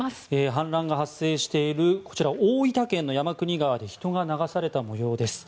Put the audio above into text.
氾濫が発生している大分県の山国川で人が流された模様です。